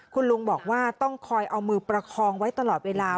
คุณลุงบอกว่าต้องคอยเอามือประคองไว้ตลอดเวลา